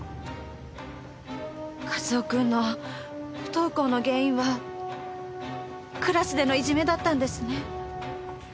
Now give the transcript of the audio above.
和夫君の不登校の原因はクラスでのいじめだったんですね。